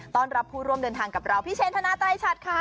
ต้อนรับผู้ร่วมเดินทางกับเราพี่เชนธนาไตรชัดค่ะ